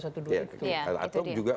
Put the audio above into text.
ya itu dia